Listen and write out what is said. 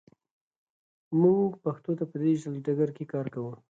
موږ پښتو ته په ډیجیټل ډګر کې کار کوو.